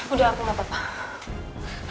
udah aku gak apa apa